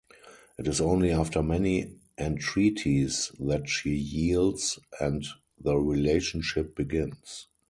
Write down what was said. It is only after many entreaties that she yields and the relationship begins.